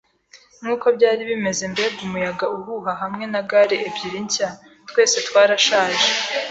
nkuko byari bimeze, mbega umuyaga uhuha hamwe na gale ebyiri nshya, twese twarashaje